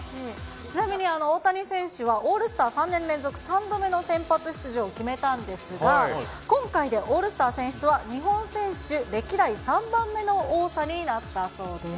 ちなみに大谷選手は、オールスター３年連続３度目の先発出場を決めたんですが、今回でオールスター選出は、日本選手歴代３番目の多さになったそうです。